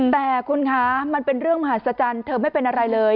แต่คุณคะมันเป็นเรื่องมหัศจรรย์เธอไม่เป็นอะไรเลย